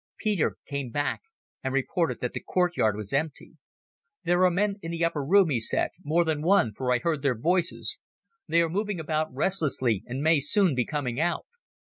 Peter came back and reported that the courtyard was empty. "There are men in the upper room," he said; "more than one, for I heard their voices. They are moving about restlessly, and may soon be coming out."